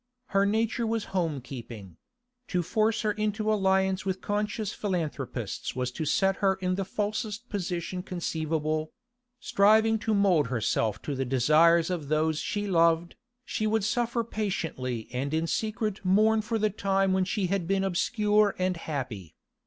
Her nature was home keeping; to force her into alliance with conscious philanthropists was to set her in the falsest position conceivable; striving to mould herself to the desires of those she loved, she would suffer patiently and in secret mourn for the time when she had been obscure and happy.